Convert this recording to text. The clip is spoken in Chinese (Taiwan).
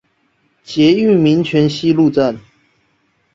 捷運民權西路站